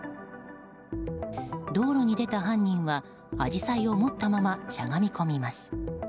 道路に出た犯人はアジサイを持ったまましゃがみ込みます。